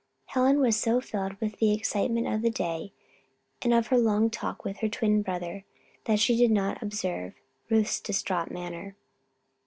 Helen was so filled with the excitement of the day, and of her long talk with her twin brother, that she did not observe Ruth's distraught manner.